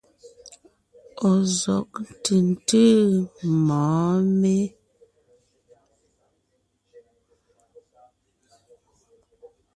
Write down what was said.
Ɔ̀ zɔ́g ntʉ̀ntʉ́ mɔ̌ɔn mé?